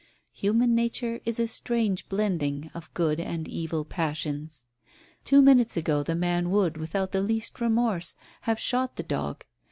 Human nature is a strange blending of good and evil passions. Two minutes ago the man would, without the least remorse, have shot the dog.